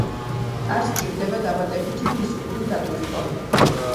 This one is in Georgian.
არ სჭირდება დამატებითი ფიზიკური დატვირთვა.